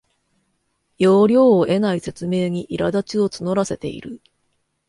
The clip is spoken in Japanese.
要領を得ない説明にいらだちを募らせている